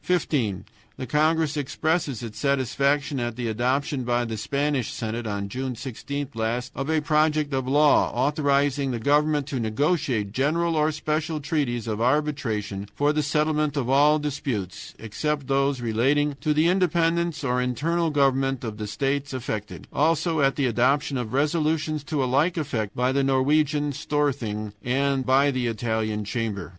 "15. The congress expresses its satisfaction at the adoption by the Spanish Senate on June 16 last of a project of law authorizing the government to negotiate general or special treaties of arbitration for the settlement of all disputes except those relating to the independence or internal government of the states affected; also at the adoption of resolutions to a like effect by the Norwegian Storthing and by the Italian Chamber.